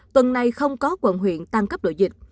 tuần này không có quận huyện tăng cấp độ dịch